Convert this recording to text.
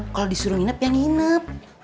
kalau disuruh nginep ya nginep